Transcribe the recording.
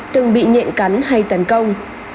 từng bị nhện cắn hay tấn công